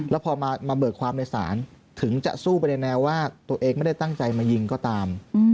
แล้วพอมาเบิกความในศาลถึงจะสู้ไปในแนวว่าตัวเองไม่ได้ตั้งใจมายิงก็ตาม